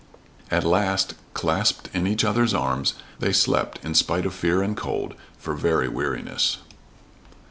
At last, clasped in each other's arms, they slept, in spite of fear and cold, for very weariness.